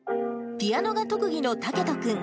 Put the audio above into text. ピアノが特技のたけと君。